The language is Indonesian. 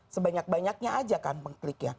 sebanyak banyaknya aja kan mengklik ya